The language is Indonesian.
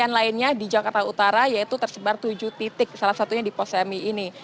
yang lainnya di jakarta utara yaitu tersebar tujuh titik salah satunya di posmi ini